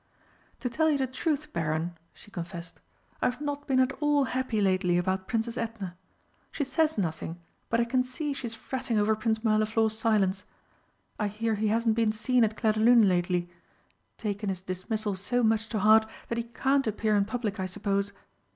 "To tell you the truth, Baron," she confessed, "I've not been at all happy lately about Princess Edna. She says nothing, but I can see she's fretting over Prince Mirliflor's silence. I hear he hasn't been seen at Clairdelune lately taken his dismissal so much to heart that he can't appear in public, I suppose.